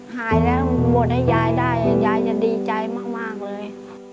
หายแล้วบวชให้ยายได้ยายจะดีใจมากเลย